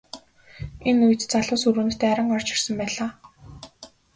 Энэ үед залуус өрөөнд дайран орж ирсэн байлаа.